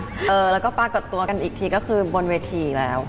แล้วก็ปรากฏตัวกันอีกทีก็คือบนเวทีแล้ว